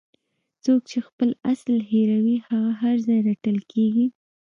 څوک چې خپل اصل هیروي هغه هر ځای رټل کیږي.